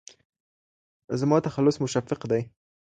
زما تخلص مشفق دی